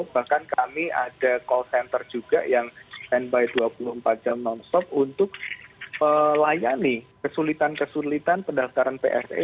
bahkan kami ada call center juga yang standby dua puluh empat jam non stop untuk melayani kesulitan kesulitan pendaftaran pse